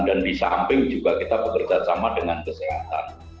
dan di samping juga kita bekerja sama dengan kesehatan